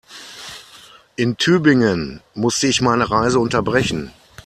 In Tübingen musste ich meine Reise unterbrechen